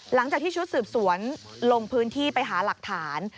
หลังจากที่ชุดสืบสวนลงพื้นที่ไปหาหลักฐาน